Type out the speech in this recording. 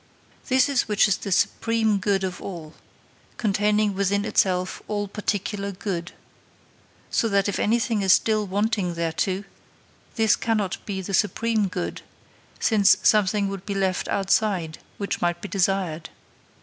This it is which is the supreme good of all, containing within itself all particular good; so that if anything is still wanting thereto, this cannot be the supreme good, since something would be left outside which might be desired.